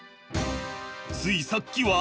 ついさっきは。